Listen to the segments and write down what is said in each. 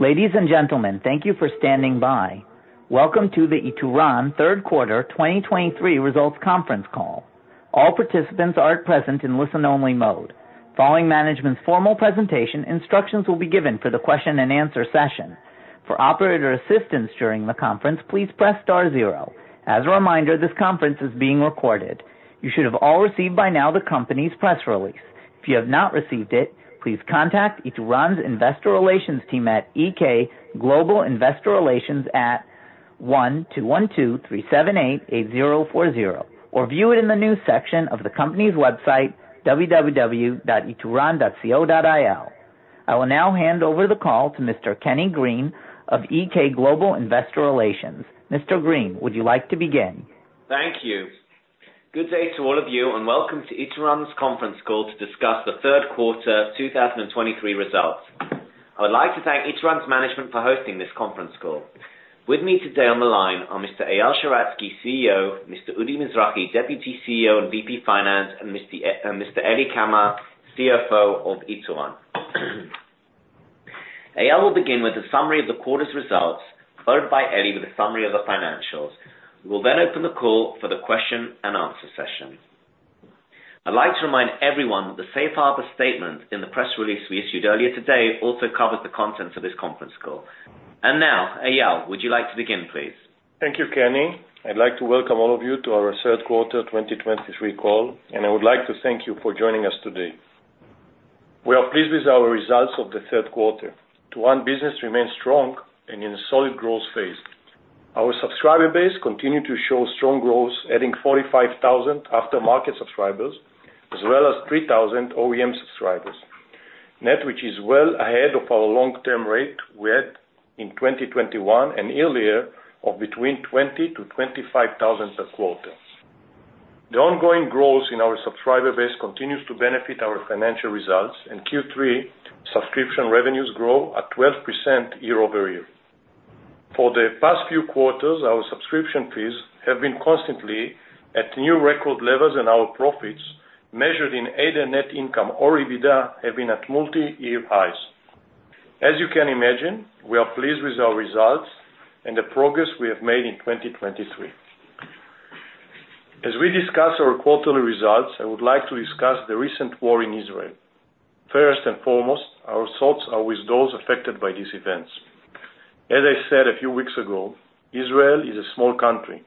Ladies and gentlemen, thank you for standing by. Welcome to the Ituran third quarter 2023 results conference call. All participants are at present in listen-only mode. Following management's formal presentation, instructions will be given for the question and answer session. For operator assistance during the conference, please press star zero. As a reminder, this conference is being recorded. You should have all received by now the company's press release. If you have not received it, please contact Ituran's Investor Relations team at EK Global Investor Relations at 1-212-378-8040, or view it in the news section of the company's website, www.ituran.co.il. I will now hand over the call to Mr. Kenny Green of EK Global Investor Relations. Mr. Green, would you like to begin? Thank you. Good day to all of you, and welcome to Ituran's conference call to discuss the third quarter 2023 results. I would like to thank Ituran's management for hosting this conference call. With me today on the line are Mr. Eyal Sheratzky, CEO, Mr. Udi Mizrahi, Deputy CEO and VP Finance, and Mr. Eli Kamer, CFO of Ituran. Eyal will begin with a summary of the quarter's results, followed by Eli with a summary of the financials. We will then open the call for the question and answer session. I'd like to remind everyone that the safe harbor statement in the press release we issued earlier today also covers the contents of this conference call. And now, Eyal, would you like to begin, please? Thank you, Kenny. I'd like to welcome all of you to our third quarter 2023 call, and I would like to thank you for joining us today. We are pleased with our results of the third quarter. Ituran business remains strong and in a solid growth phase. Our subscriber base continued to show strong growth, adding 45,000 aftermarket subscribers, as well as 3,000 OEM subscribers. Net, which is well ahead of our long-term rate we had in 2021 and earlier of between 20,000-25,000 per quarter. The ongoing growth in our subscriber base continues to benefit our financial results, and Q3 subscription revenues grow at 12% year-over-year. For the past few quarters, our subscription fees have been constantly at new record levels, and our profits, measured in either net income or EBITDA, have been at multi-year highs. As you can imagine, we are pleased with our results and the progress we have made in 2023. As we discuss our quarterly results, I would like to discuss the recent war in Israel. First and foremost, our thoughts are with those affected by these events. As I said a few weeks ago, Israel is a small country,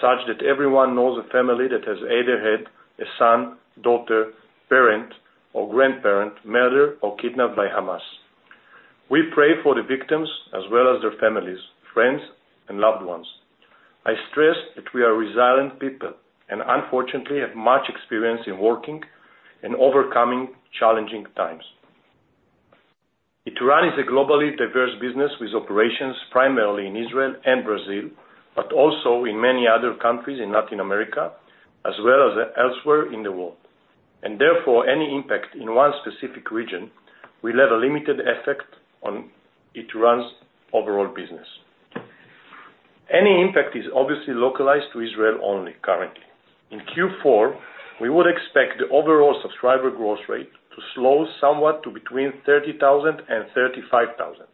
such that everyone knows a family that has either had a son, daughter, parent, or grandparent murdered or kidnapped by Hamas. We pray for the victims as well as their families, friends, and loved ones. I stress that we are resilient people and unfortunately have much experience in working and overcoming challenging times. Ituran is a globally diverse business with operations primarily in Israel and Brazil, but also in many other countries in Latin America, as well as elsewhere in the world, and therefore, any impact in one specific region will have a limited effect on Ituran's overall business. Any impact is obviously localized to Israel only currently. In Q4, we would expect the overall subscriber growth rate to slow somewhat to between 30,000 and 35,000.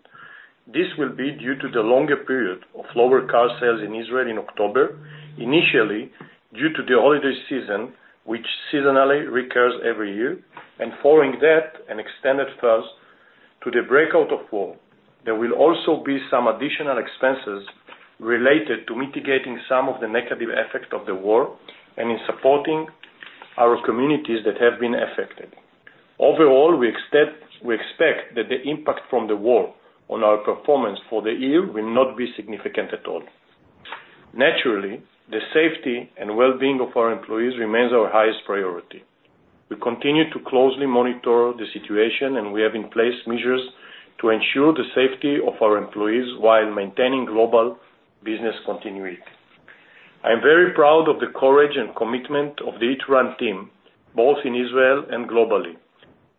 This will be due to the longer period of lower car sales in Israel in October, initially due to the holiday season, which seasonally recurs every year, and following that, an extended trust to the outbreak of war. There will also be some additional expenses related to mitigating some of the negative effects of the war and in supporting our communities that have been affected. Overall, we expect that the impact from the war on our performance for the year will not be significant at all. Naturally, the safety and well-being of our employees remains our highest priority. We continue to closely monitor the situation, and we have in place measures to ensure the safety of our employees while maintaining global business continuity. I am very proud of the courage and commitment of the Ituran team, both in Israel and globally,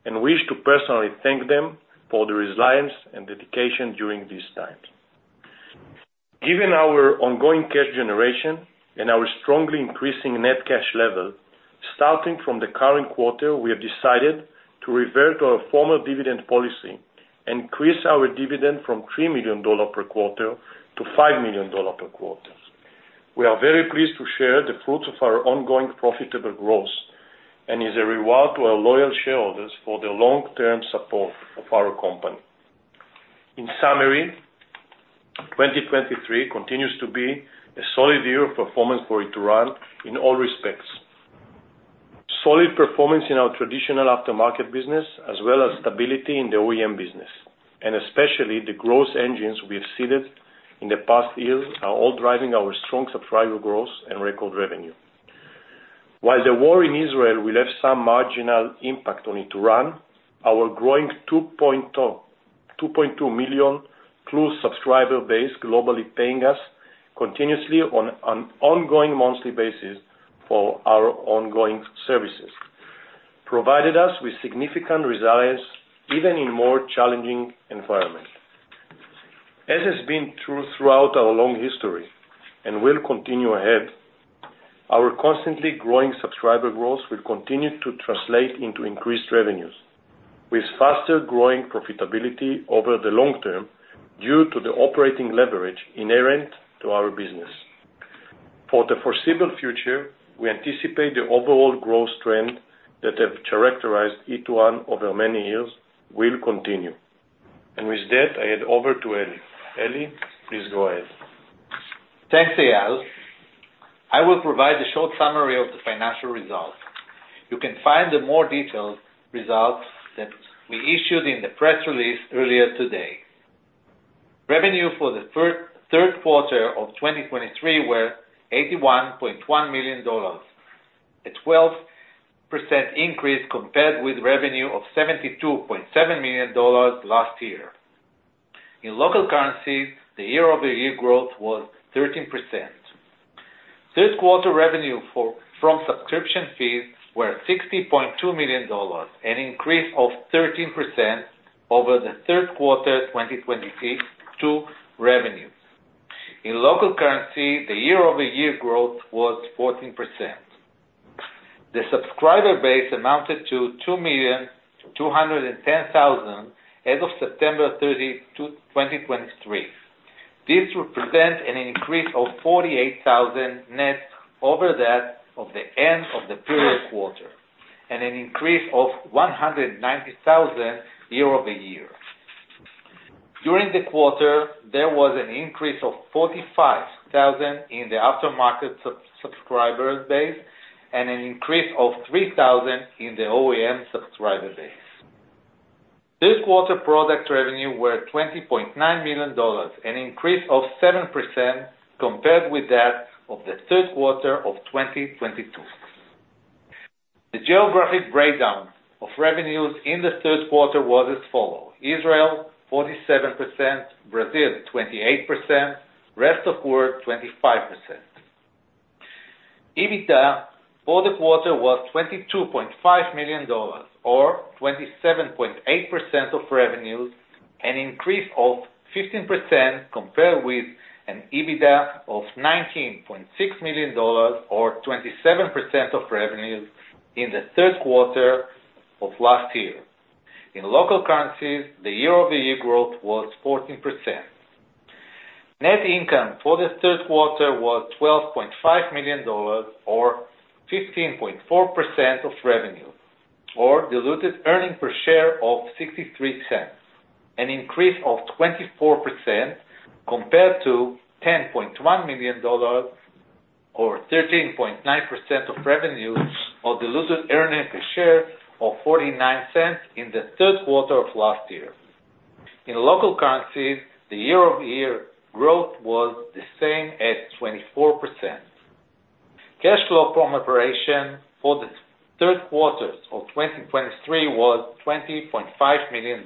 and wish to personally thank them for their resilience and dedication during these times. Given our ongoing cash generation and our strongly increasing net cash level, starting from the current quarter, we have decided to revert to our former dividend policy and increase our dividend from $3 million per quarter to $5 million per quarter. We are very pleased to share the fruits of our ongoing profitable growth and is a reward to our loyal shareholders for their long-term support of our company. In summary, 2023 continues to be a solid year of performance for Ituran in all respects. Solid performance in our traditional aftermarket business, as well as stability in the OEM business, and especially the growth engines we have seeded in the past years, are all driving our strong subscriber growth and record revenue. While the war in Israel will have some marginal impact on Ituran, our growing 2.2 million+ subscriber base globally, paying us continuously on an ongoing monthly basis for our ongoing services, provided us with significant resilience, even in more challenging environment. As has been true throughout our long history and will continue ahead. Our constantly growing subscriber growth will continue to translate into increased revenues, with faster growing profitability over the long term due to the operating leverage inherent to our business. For the foreseeable future, we anticipate the overall growth trend that have characterized Ituran over many years will continue. And with that, I hand over to Eli. Eli, please go ahead. Thanks, Eyal. I will provide a short summary of the financial results. You can find the more detailed results that we issued in the press release earlier today. Revenue for the third quarter of 2023 were $81.1 million, a 12% increase compared with revenue of $72.7 million last year. In local currencies, the year-over-year growth was 13%. Third quarter revenue from subscription fees were $60.2 million, an increase of 13% over the third quarter 2022 revenues. In local currency, the year-over-year growth was 14%. The subscriber base amounted to 2,210,000 as of September 30, 2023. This represents an increase of 48,000 net over that of the end of the previous quarter and an increase of 190,000 year-over-year. During the quarter, there was an increase of 45,000 in the aftermarket subscribers base and an increase of 3,000 in the OEM subscriber base. This quarter, product revenue were $20.9 million, an increase of 7% compared with that of the third quarter of 2022. The geographic breakdown of revenues in the third quarter was as follow: Israel, 47%; Brazil, 28%; rest of world, 25%. EBITDA for the quarter was $22.5 million, or 27.8% of revenues, an increase of 15% compared with an EBITDA of $19.6 million or 27% of revenues in the third quarter of last year. In local currencies, the year-over-year growth was 14%. Net income for the third quarter was $12.5 million or 15.4% of revenue, or diluted earnings per share of $0.63, an increase of 24% compared to $10.1 million or 13.9% of revenue, or diluted earnings per share of $0.49 in the third quarter of last year. In local currencies, the year-over-year growth was the same as 24%. Cash flow from operations for the third quarter of 2023 was $20.5 million.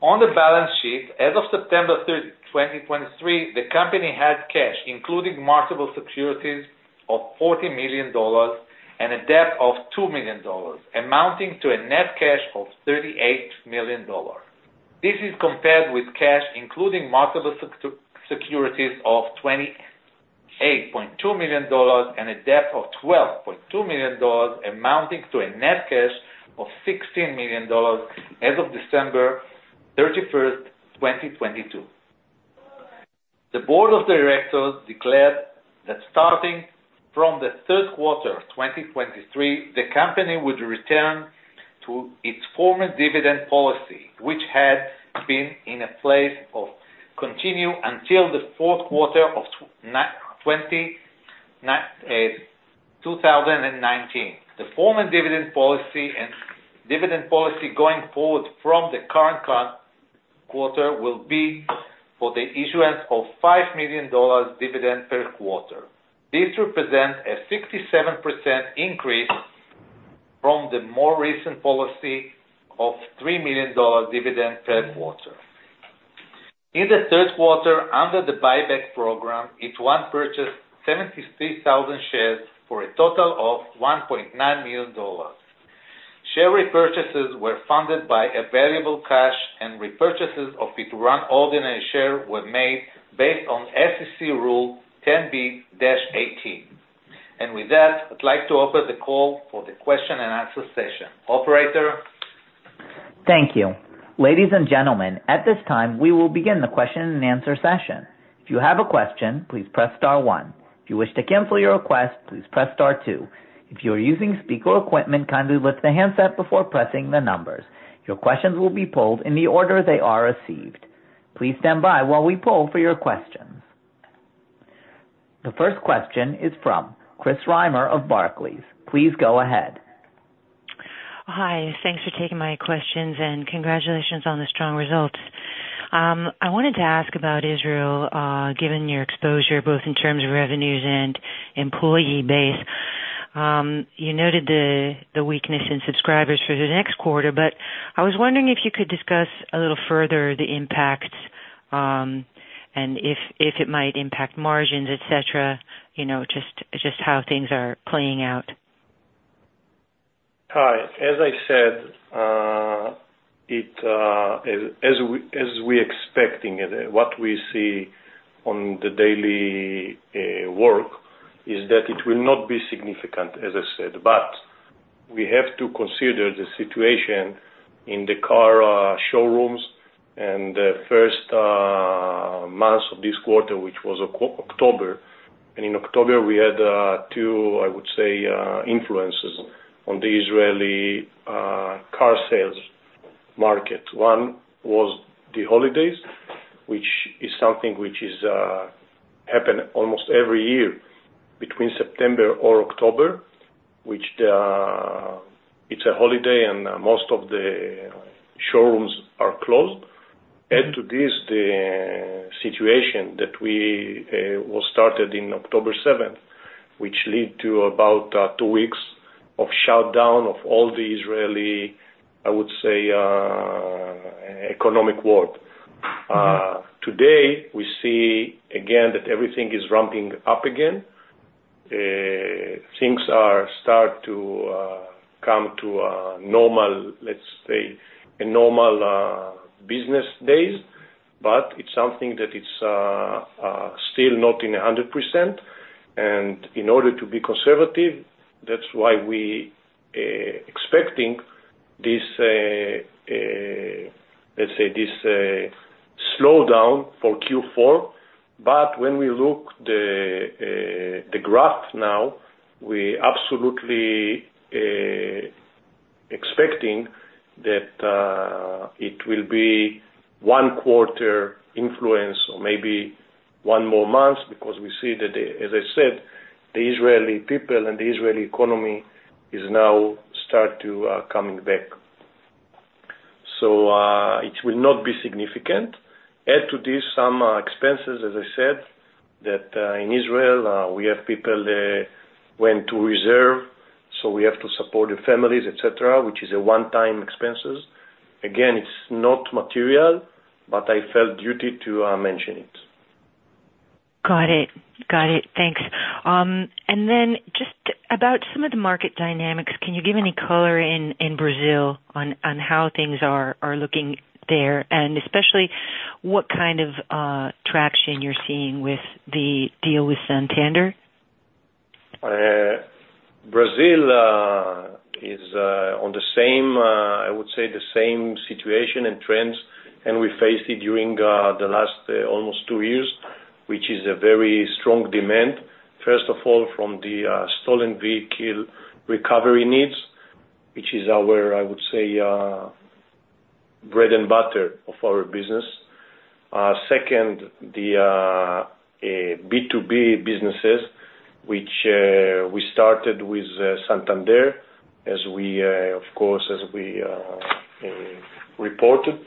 On the balance sheet, as of September 30, 2023, the company had cash, including marketable securities, of $40 million and a debt of $2 million, amounting to a net cash of $38 million. This is compared with cash, including marketable securities, of $28.2 million and a debt of $12.2 million, amounting to a net cash of $16 million as of December 31, 2022. The board of directors declared that starting from the third quarter of 2023, the company would return to its former dividend policy, which had been in place to continue until the fourth quarter of 2019. The former dividend policy going forward from the current quarter will be for the issuance of $5 million dividend per quarter. This represents a 67% increase from the more recent policy of $3 million dividend per quarter. In the third quarter, under the buyback program, Ituran purchased 73,000 shares for a total of $1.9 million. Share repurchases were funded by available cash, and repurchases of Ituran ordinary shares were made based on SEC Rule 10b-18. With that, I'd like to open the call for the question and answer session. Operator? Thank you. Ladies and gentlemen, at this time, we will begin the question and answer session. If you have a question, please press star one. If you wish to cancel your request, please press star two. If you are using speaker equipment, kindly lift the handset before pressing the numbers. Your questions will be polled in the order they are received. Please stand by while we poll for your questions. The first question is from Chris Reimer of Barclays. Please go ahead. Hi, thanks for taking my questions, and congratulations on the strong results. I wanted to ask about Israel, given your exposure, both in terms of revenues and employee base. You noted the weakness in subscribers for the next quarter, but I was wondering if you could discuss a little further the impact, and if it might impact margins, et cetera. You know, just how things are playing out. Hi. As I said, as we expecting, what we see on the daily work, is that it will not be significant, as I said, but we have to consider the situation in the car showrooms and the first months of this quarter, which was October. And in October, we had two, I would say, influences on the Israeli car sales market. One was the holidays, which is something which happen almost every year between September or October, it's a holiday and most of the showrooms are closed. Add to this, the situation that was started in October 7th, which lead to about two weeks of shutdown of all the Israeli, I would say, economic world. Today, we see again that everything is ramping up again. Things are start to come to a normal, let's say, a normal business days, but it's something that it's still not in 100%. In order to be conservative, that's why we expecting this, let's say, this slowdown for Q4. But when we look the graph now, we absolutely expecting that it will be one quarter influence or maybe one more month, because we see that, as I said, the Israeli people and the Israeli economy is now start to coming back. So it will not be significant. Add to this, some expenses, as I said, that in Israel we have people went to reserve, so we have to support the families, et cetera, which is a one-time expenses. Again, it's not material, but I felt duty to mention it. Got it. Got it. Thanks. And then just about some of the market dynamics, can you give any color in Brazil on how things are looking there, and especially what kind of traction you're seeing with the deal with Santander? Brazil is on the same, I would say, the same situation and trends, and we faced it during the last almost two years, which is a very strong demand. First of all, from the stolen vehicle recovery needs, which is our, I would say, bread and butter of our business. Second, the B2B businesses, which we started with Santander, as we, of course, as we reported.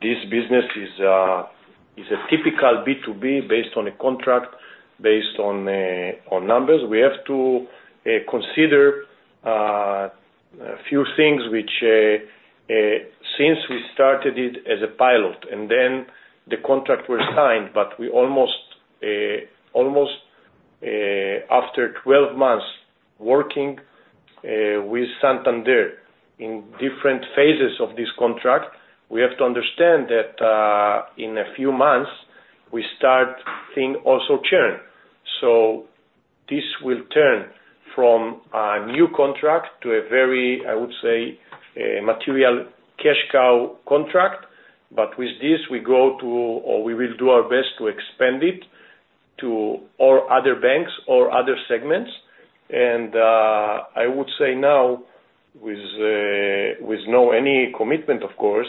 This business is a typical B2B based on a contract, based on numbers. We have to consider a few things, which, since we started it as a pilot, and then the contract was signed, but we almost after 12 months working with Santander in different phases of this contract, we have to understand that, in a few months, we start seeing also churn. So this will turn from a new contract to a very, I would say, a material cash cow contract. But with this, we go to, or we will do our best to expand it to all other banks or other segments. And I would say now, with no any commitment, of course,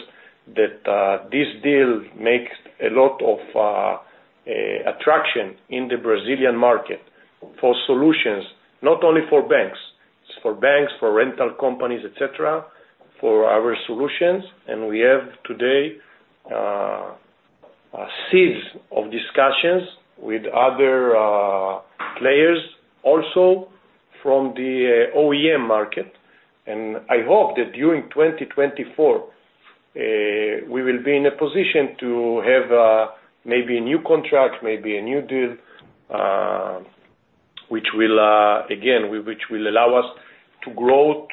that this deal makes a lot of attraction in the Brazilian market for solutions, not only for banks, for banks, for rental companies, et cetera, for our solutions. We have today a series of discussions with other players, also from the OEM market. I hope that during 2024, we will be in a position to have maybe a new contract, maybe a new deal, which will again which will allow us to grow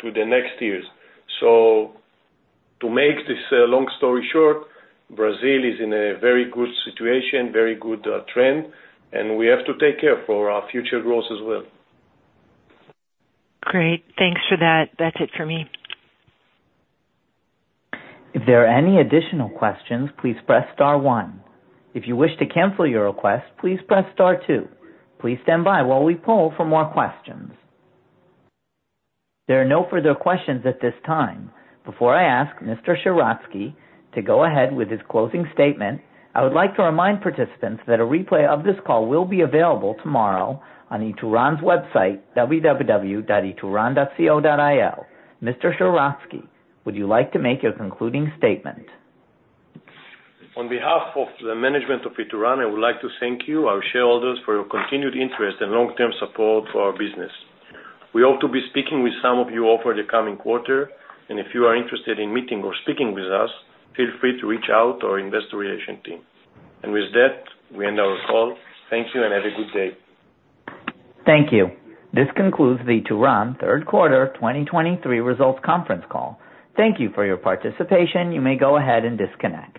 to the next years. To make this long story short, Brazil is in a very good situation, very good trend, and we have to take care for our future growth as well. Great. Thanks for that. That's it for me. If there are any additional questions, please press star one. If you wish to cancel your request, please press star two. Please stand by while we poll for more questions. There are no further questions at this time. Before I ask Mr. Sheratzky to go ahead with his closing statement, I would like to remind participants that a replay of this call will be available tomorrow on Ituran's website, www.ituran.co.il. Mr. Sheratzky, would you like to make your concluding statement? On behalf of the management of Ituran, I would like to thank you, our shareholders, for your continued interest and long-term support for our business. We hope to be speaking with some of you over the coming quarter, and if you are interested in meeting or speaking with us, feel free to reach out to our investor relation team. With that, we end our call. Thank you and have a good day. Thank you. This concludes the Ituran third quarter, 2023 results conference call. Thank you for your participation. You may go ahead and disconnect.